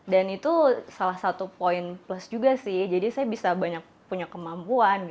dan itu salah satu poin plus juga sih jadi saya bisa banyak punya kemampuan